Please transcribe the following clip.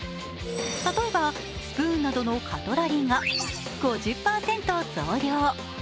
例えばスプーンなどのカトラリーが５０％増量。